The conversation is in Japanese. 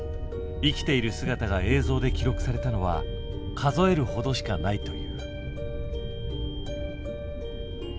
生きている姿が映像で記録されたのは数える程しかないという。